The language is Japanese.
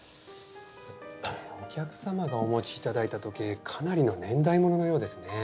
お客様がお持ち頂いた時計かなりの年代物のようですね。